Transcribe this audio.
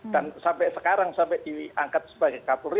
dan sampai sekarang sampai diangkat sebagai kapolri